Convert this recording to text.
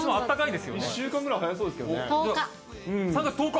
１週間ぐらい早そうですけど１０日。